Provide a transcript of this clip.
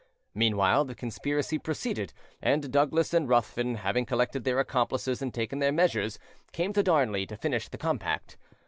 Meanwhile the conspiracy proceeded, and Douglas and Ruthven, having collected their accomplices and taken their measures, came to Darnley to finish the compact.